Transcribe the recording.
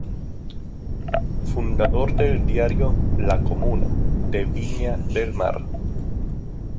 Fundador del diario "La Comuna" de Viña del Mar.